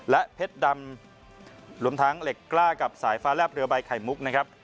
และเพชรดำรวมทั้งเหล็กกล้ากับสายฟ้าแลบเรือใบไข่มุกนะครับ